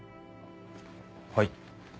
はい。